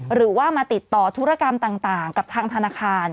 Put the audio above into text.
หรือว่ามาติดต่อธุรกรรมต่างกับทางธนาคาร